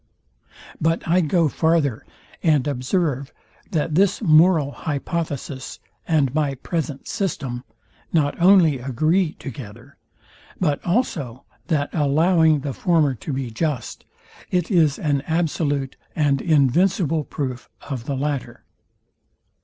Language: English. But I go farther, and observe, that this moral hypothesis and my present system not only agree together, but also that, allowing the former to be just, it is an absolute and invincible proof of the latter.